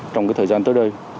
trong cái thời gian tới đây